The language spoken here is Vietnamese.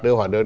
đưa hỏi đơn